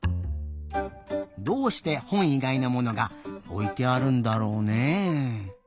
どうしてほんいがいのものがおいてあるんだろうね？